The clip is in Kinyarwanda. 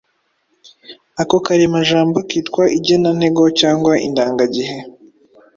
Ako karemajambo kitwa igenantego cyangwa indangagihe.